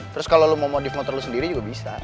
terus kalau lo mau modive motor lo sendiri juga bisa